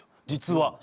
実は。